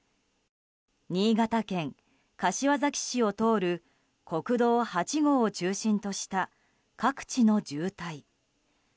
新潟県柏崎市を通る国道８号を中心とした各地の渋滞。